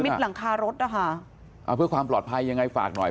หลังคารถนะคะเอาเพื่อความปลอดภัยยังไงฝากหน่อย